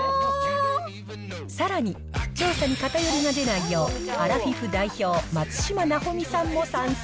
さらに、調査に偏りが出ないよう、アラフィフ代表、松嶋尚美さんも参戦。